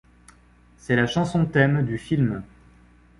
C'est la chanson thème du film.